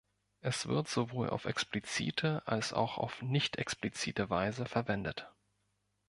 Es wird sowohl auf explizite als auch auf nicht explizite Weise verwendet.